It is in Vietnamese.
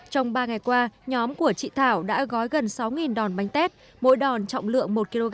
trong ba ngày qua nhóm của chị thảo đã gói gần sáu đòn bánh tết mỗi đòn trọng lượng một kg